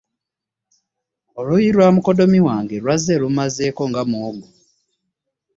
Oluuyi lwa mukoddomi wange lwazze lumazeeko nga muwogo.